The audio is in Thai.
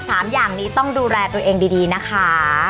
สามอย่างนี้ต้องดูแลตัวเองดีดีนะคะ